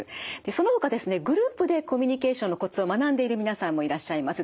そのほかですねグループでコミュニケーションのコツを学んでいる皆さんもいらっしゃいます。